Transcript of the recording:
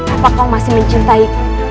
apa kau masih mencintai